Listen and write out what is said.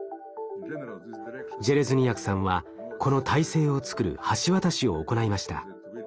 ジェレズニヤクさんはこの体制を作る橋渡しを行いました。